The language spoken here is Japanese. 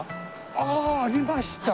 ああありました。